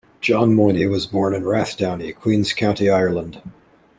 John Moyney was born in Rathdowney, Queen's County, Ireland.